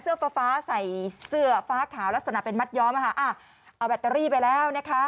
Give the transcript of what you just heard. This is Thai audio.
ฟ้าฟ้าใส่เสื้อฟ้าขาวลักษณะเป็นมัดย้อมเอาแบตเตอรี่ไปแล้วนะคะ